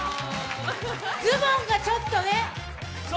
ズボンがちょっとね。